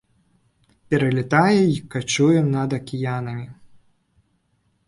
Пералятае і качуе над акіянамі.